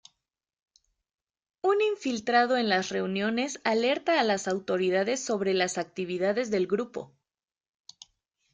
Un infiltrado en las reuniones alerta a las autoridades sobre las actividades del grupo.